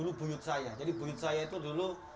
perusahaan yang berbeda menjadi perusahaan yang lebih penting